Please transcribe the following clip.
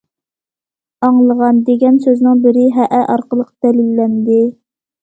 ‹‹ ئاڭلىغان›› دېگەن سۆزنىڭ بىرى‹‹ ھەئە›› ئارقىلىق دەلىللەندى.